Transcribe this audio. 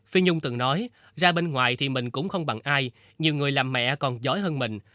phi nhung từng nói ra bên ngoài thì mình cũng không bằng ai nhiều người làm mẹ còn giỏi hơn mình